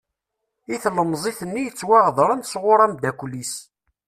I tlemẓit-nni yettwaɣedren s ɣur amddakel-is.